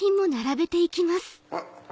あっ。